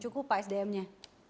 cukup pak sdm nya